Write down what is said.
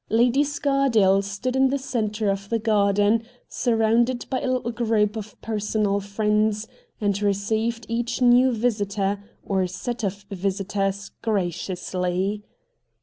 Lady Scardale stood in the centre of the garden, surrounded by a little group of personal friends, and received each new visitor, or set of visitors, graciously.